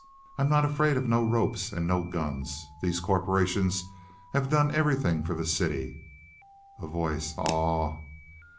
I'm not afraid of no ropes and no guns. These corporations have done everything for the city—" A Voice. "Aw!"